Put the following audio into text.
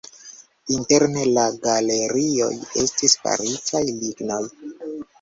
Interne la galerioj estis faritaj lignoj.